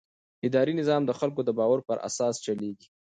اداري نظام د خلکو د باور پر اساس چلېږي.